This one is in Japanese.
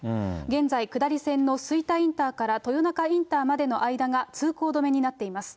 現在、下り線の吹田インターから豊中インターまでの間が通行止めになっています。